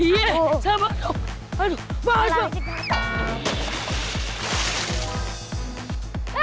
iya sabar aduh bangun